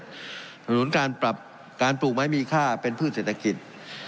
ถนนการปรับการปลูกไม้มีค่าเป็นพืชเศรษฐกิจ